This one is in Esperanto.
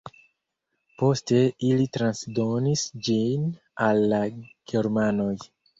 Poste ili transdonis ĝin al la germanoj.